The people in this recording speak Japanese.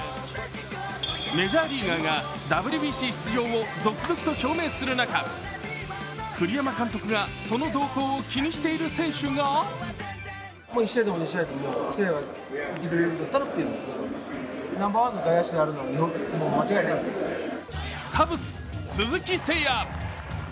メジャーリーガーがＷＢＣ出場を続々と表明する中、栗山監督がその動向を気にしている選手がカブス・鈴木誠也。